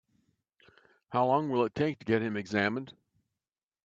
How long will it take to get him examined?